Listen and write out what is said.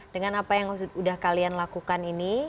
dengan apa yang sudah kalian lakukan ini